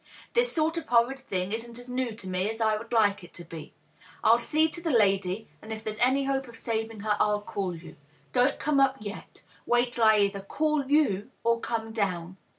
This sort of horrid thing isn't as new to me as I would like it to be. I'll see to the lady, and if there's any hope of saving her I'll call you. Don't come up yet ; wait till I either call you or come down."